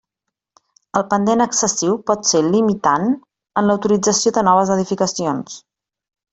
El pendent excessiu pot ser limitant en l'autorització de noves edificacions.